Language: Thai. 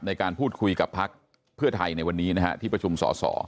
ในการพูดคุยกับพักเพื่อไทยในวันนี้นะฮะที่ประชุมสอสอ